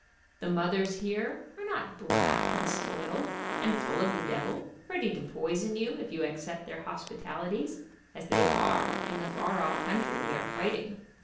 The mothers here are not black and soiled, and full of the devil, ready to poison you if you accept their hospitalities, as they are in the far off country we are fighting.